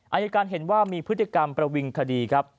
อายการเห็นว่ามีพฤติกรรมประวิงคดีครับ